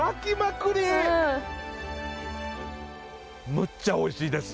むっちゃおいしいです。